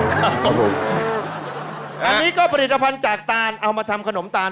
อันนี้ก็ผลิตภัณฑ์จากตานเอามาทำขนมตาล